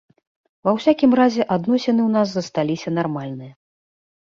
Ва ўсякім разе адносіны ў нас засталіся нармальныя.